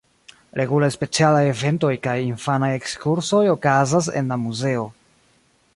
Regulaj specialaj eventoj kaj infanaj ekskursoj okazas en la muzeo.